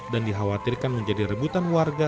dan dikhawatirkan menjadi rebutan warga